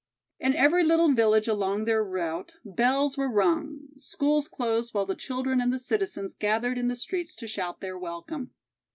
In every little village along their route bells were rung, schools closed while the children and the citizens gathered in the streets to shout their welcome.